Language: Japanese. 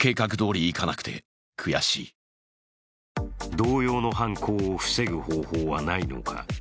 同様の犯行を防ぐ方法はないのか。